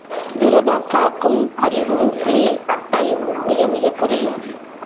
எதிரதாக் காக்கும் அறிவும் இல்லை பட்டறிவும் மிக மிகக் குறைவு.